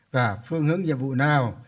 và phương hướng nhiệm vụ nào